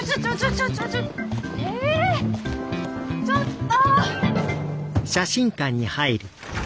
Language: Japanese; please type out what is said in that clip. ちょっと！